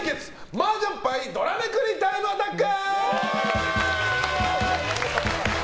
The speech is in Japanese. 麻雀牌ドラめくりタイムアタック。